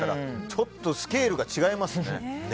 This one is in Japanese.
ちょっと、スケールが違いますね。